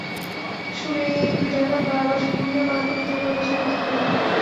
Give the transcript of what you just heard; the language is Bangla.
শুনে দুই ডাকাত বারবার গুনেও পাঁচ কোটি টাকার বেশি অর্থ পেল না।